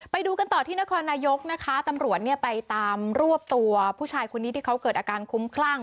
ไปดูกันต่อที่นครนายกนะคะตำรวจเนี่ยไปตามรวบตัวผู้ชายคนนี้ที่เขาเกิดอาการคุ้มคลั่ง